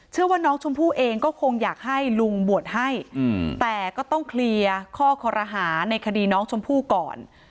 เชื่อว่าน้องชมพู่เองก็คงอยากให้ลุงบวชให้แต่ก็ต้องเคลียร์ข้อคอรหาในคดีน้องชมพู่ก่อน